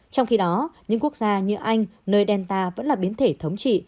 trong khi đó những quốc gia như anh nơi delta vẫn là biến thể thống trị